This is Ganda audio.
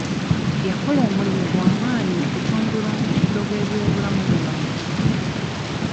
Yakola omulimu gwa maanyi mu kutumbula omutindo gw'ebyobulamu mu bantu.